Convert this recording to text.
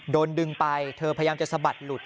โดนดึงไปเธอพยายามจะสะบัดหลุด